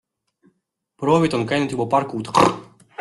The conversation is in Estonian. Proovid on käinud juba paar kuud.